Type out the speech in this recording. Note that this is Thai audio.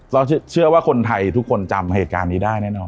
เราเชื่อว่าคนไทยทุกคนจำเหตุการณ์นี้ได้แน่นอน